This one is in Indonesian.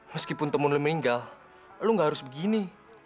meskipun temen lu meninggal lu gak harus begini